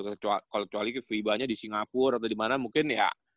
kalau kecuali viva nya di singapura atau dimana mungkin ya